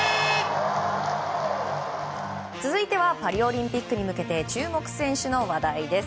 続いてはパリオリンピックに向けて注目選手の話題です。